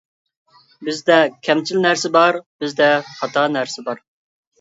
بىزدە كەمچىل نەرسە بار، بىزدە خاتا نەرسە بار.